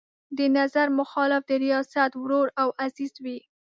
د نظر مخالف د ریاست ورور او عزیز وي.